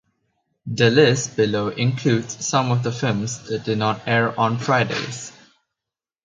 The list below includes some of the films that did not air on Fridays.